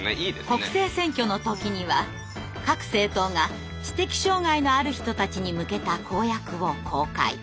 国政選挙の時には各政党が知的障害のある人たちに向けた公約を公開。